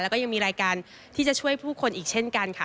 แล้วก็ยังมีรายการที่จะช่วยผู้คนอีกเช่นกันค่ะ